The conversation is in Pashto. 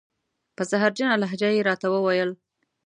په زهرجنه لهجه یې را ته و ویل: